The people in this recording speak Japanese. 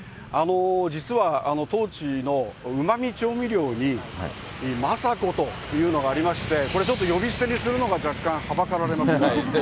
実は、当地のうまみ調味料に、マサコというのがありまして、これちょっと呼び捨てにするのが若干はばかられます。